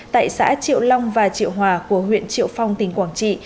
tại xã triệu long và triệu hòa của huyện triệu phong tỉnh quảng trị